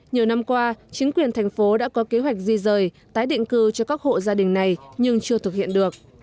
nhiều năm qua chính quyền thành phố đã có kế hoạch di rời tái định cư cho các hộ gia đình này nhưng chưa thực hiện được